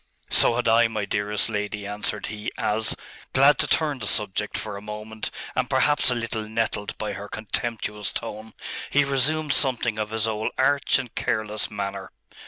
'So had I, my dearest lady,' answered he, as, glad to turn the subject for a moment, and perhaps a little nettled by her contemptuous tone, he resumed something of his old arch and careless manner.